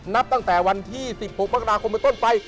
นับตั้งแต่วันที่๑๖มกราคมเป็นต้นไป